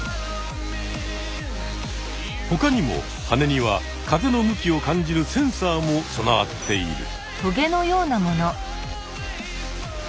ほかにもはねには風の向きを感じるセンサーも備わっている。